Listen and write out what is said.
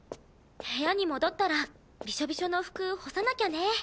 部屋に戻ったらビショビショの服干さなきゃね。